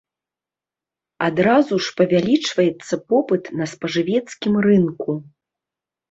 Адразу ж павялічваецца попыт на спажывецкім рынку.